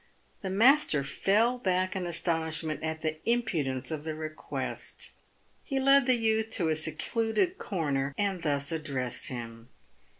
The master fell back in astonishment at the impudence of the request. He led the youth to a secluded corner, and thus addressed him.